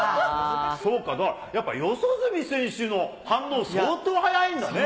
そうか、やっぱ、四十住選手の反応、相当早いですね。